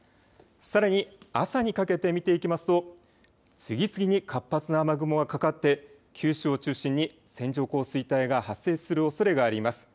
さらに朝にかけて見ていきますと、次々に活発な雨雲がかかって九州を中心に線状降水帯が発生するおそれがあります。